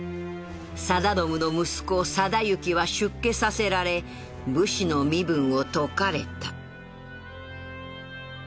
定信の息子定行は出家させられ武士の身分を解かれた